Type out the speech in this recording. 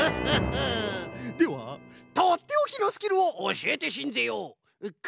ではとっておきのスキルをおしえてしんぜよう。